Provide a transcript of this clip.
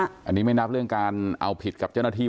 อันนี้ไม่นับเรื่องการเอาผิดกับเจ้าหน้าที่